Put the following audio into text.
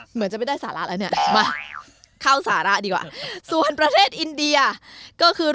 เหมือนจะไม่ได้สาระแล้วเนี่ยมาเข้าสาระดีกว่าส่วนประเทศอินเดียก็คือ